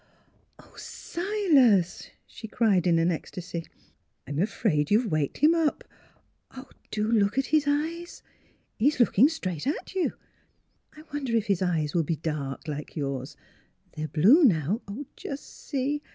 " Oh, Silas!" she cried in an ecstasy. "I'm afraid you've waked him up! ... Do look at his eyes! ... He's looking straight at you. ... I wonder if his eyes will be dark like yours? They're blue now just see!